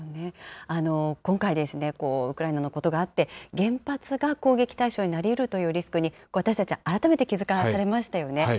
今回、ウクライナのことがあって、原発が攻撃対象になりえるというリスクに私たちは改めて気付かされましたよね。